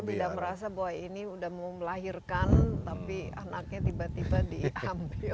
tidak merasa bahwa ini udah mau melahirkan tapi anaknya tiba tiba diambil